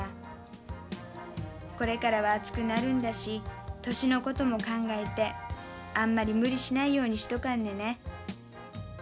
これからは暑くなるんだし年のことも考えてあんまり無理しないようにしとかんでね。